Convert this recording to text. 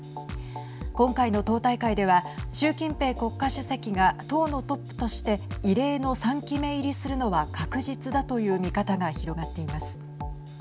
今回の党大会では習近平国家主席が党のトップとして異例の３期目入りをするのは確実だという見方が広がっています。